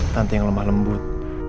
tanti yang lemah lembut